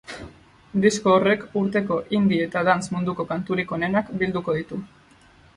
Disko horrek urteko indie eta dance munduko kanturik onenak bilduko ditu.